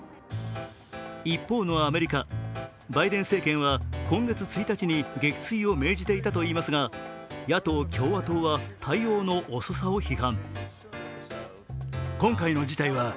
一方のアメリカ、バイデン政権は今月１日に撃墜を命じていたといいますが、野党・共和党は対応の遅さを批判。